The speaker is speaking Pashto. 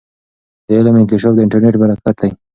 د علم انکشاف د انټرنیټ برکت دی.